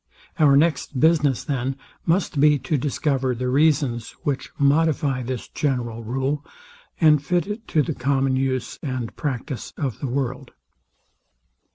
Our next business, then, must be to discover the reasons which modify this general rule, and fit it to the common use and practice of the world.